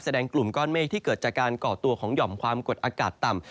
กลุ่มก้อนเมฆที่เกิดจากการก่อตัวของหย่อมความกดอากาศต่ำ